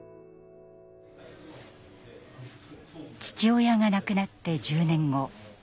父親が亡くなって１０年後。